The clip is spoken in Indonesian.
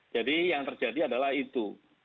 jadi yang terjadi adalah itu